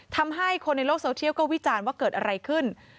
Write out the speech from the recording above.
ทำให้คนในโลกโซเทียลก็วิจารณ์ว่าเกิดอะไรขึ้น